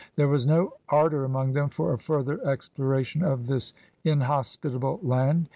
There was no ardor among them for a further exploration of this inhospitable land.